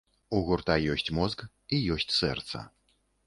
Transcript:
У гурта ёсць мозг і ёсць сэрца.